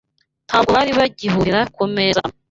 Ntabwo bari bagihurira ku meza amwe